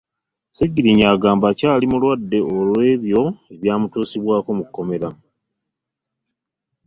Ssegirinnya agamba akyali mulwadde olw'ebyo ebyamutuusibwako mu kkomera